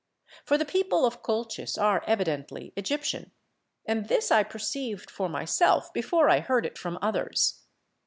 For the people of Colchis are evidently Egyptian, and this I perceived for myself before I heard it from others.